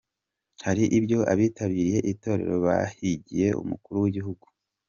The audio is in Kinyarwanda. Hari ibyo abitabiriye itorero bahigiye Umukuru w’Igihugu.